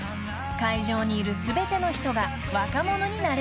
会場にいる全ての人が若者になれる空間］